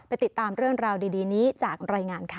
ติดตามเรื่องราวดีนี้จากรายงานค่ะ